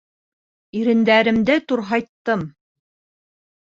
Ирендәремде турһайттым.